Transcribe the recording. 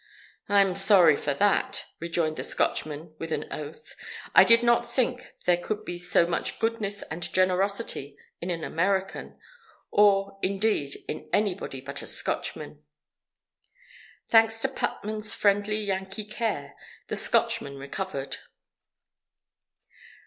"I'm sorry for that!" rejoined the Scotchman with an oath. "I did not think there could be so much goodness and generosity in an American, or, indeed, in anybody but a Scotchman!" Thanks to Putnam's friendly Yankee care, the Scotchman recovered.